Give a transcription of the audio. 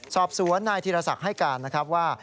สอบสวนนายธีรศักดิ์ให้การนะครับว่า